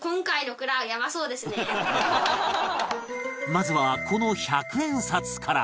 まずはこの１００円札から